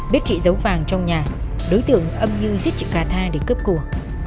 biết trị giấu vàng trong nhà đối tượng âm như giết chị cà tha để cướp của